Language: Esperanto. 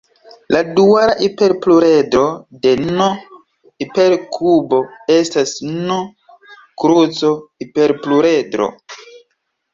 La duala hiperpluredro de "n"-hiperkubo estas "n"-kruco-hiperpluredro.